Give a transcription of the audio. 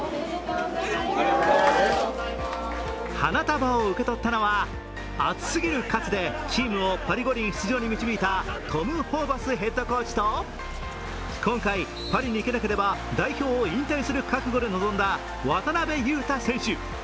花束を受け取ったのは、熱すぎる喝でチームをパリ五輪出場へ導いたトム・ホーバスヘッドコーチと今回、パリに行けなければ代表を引退する覚悟で臨んだ渡邊雄太選手。